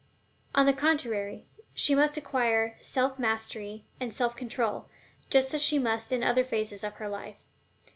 On the contrary, she must acquire self mastery and self control, just as she must in other phases of her life.